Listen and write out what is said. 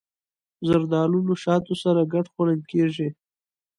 زردالو له شاتو سره ګډ خوړل کېږي.